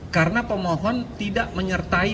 karena pemohon tidak menyertai